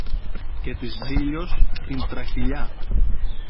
και της Ζήλιως την τραχηλιά